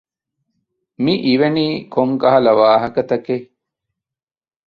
މި އިވެނީ ކޮން ކަހަލަ ވާހަކަތަކެއް؟